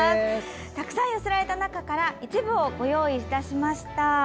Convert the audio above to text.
たくさん寄せられた中から一部をご用意しました。